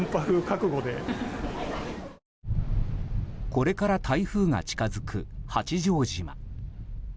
これから台風が近づく八丈島。